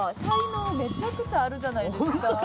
才能めちゃくちゃあるじゃないですか。